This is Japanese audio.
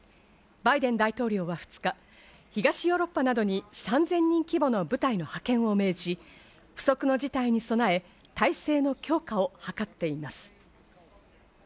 バイデン大統領は２日、東ヨーロッパなどに３０００人規模の部隊の派遣を命じ、不測の事態に備え、態勢の強化を図っています。